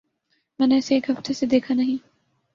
میں نے اسے ایک ہفتے سے دیکھا نہیں۔